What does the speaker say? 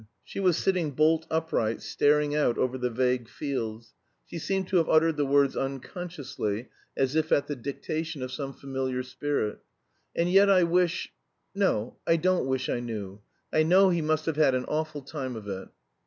She was sitting bolt upright, staring out over the vague fields; she seemed to have uttered the words unconsciously, as if at the dictation of some familiar spirit. "And yet I wish no, I don't wish I knew. I know he must have had an awful time of it."